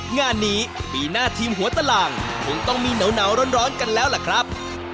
งานนี้ปีหน้าทีมหัวตล่างคงต้องมีหนาวร้อนกันแล้วล่ะครับ